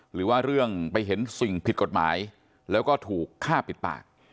หรือว่าเรื่องไปเห็นสิ่งผิดกฎหมายแล้วก็ถูกฆ่าปิดปาก